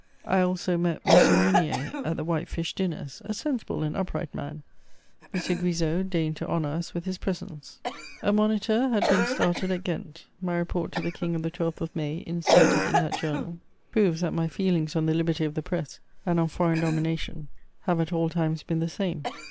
I also met M. Mounier at the white fish dinners, a sensible and upright man. M. Guizot deigned to honour us with his presence. A Moniteur had been started at Ghent: my report to the King of the 12th of May, inserted in that journal, proves that my feelings on the liberty of the press and on foreign domination have at all times been the same.